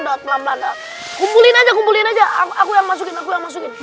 doang pelan pelan kumpulin aja kumpulin aja aku yang masukin aku yang masukin